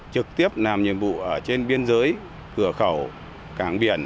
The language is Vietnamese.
trực tiếp làm nhiệm vụ ở trên biên giới cửa khẩu cảng biển